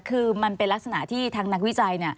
คือมันเป็นลักษณะที่ทางนักวิจัย